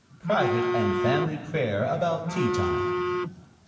Private and family prayer about tea time.